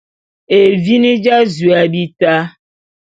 Evini dja’azu a bita.